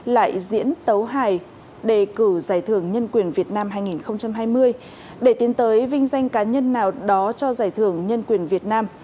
lại diễn tấu hài đề cử giải thưởng nhân quyền việt nam hai nghìn hai mươi để tiến tới vinh danh cá nhân nào đó cho giải thưởng nhân quyền việt nam